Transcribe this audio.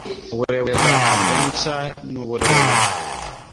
Uburebure bwa adventure nuburebure